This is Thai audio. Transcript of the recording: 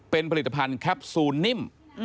เป็นผลิตภัณฑ์แคปซูลนิ่ม